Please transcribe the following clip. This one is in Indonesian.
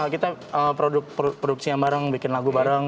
kita produksi yang bareng bikin lagu bareng